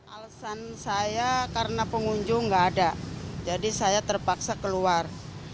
alasan saya karena pengunjung nggak ada jadi saya terpaksa keluar